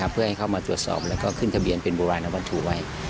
เพื่อให้เข้ามาตรวจสอบแล้วก็ขึ้นทะเบียนเป็นโบราณวัตถุไว้